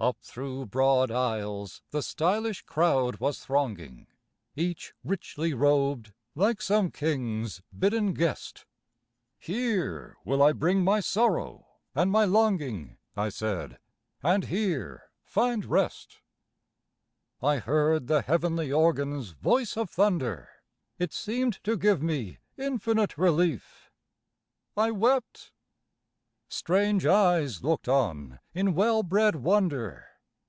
Up through broad aisles the stylish crowd was thronging, Each richly robed like some king's bidden guest. "Here will I bring my sorrow and my longing," I said, "and here find rest." I heard the heavenly organ's voice of thunder, It seemed to give me infinite relief. I wept. Strange eyes looked on in well bred wonder.